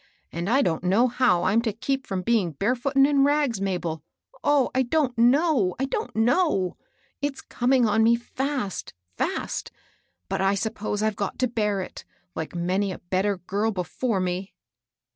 And I don't know how I'm to keep from being barefoot and in rags, Mabel, — oh, I don't know I — I don't know ! It's coming on me fiist, — fast I But I suppose I've got to bear it, like many a bet* ter girl before me."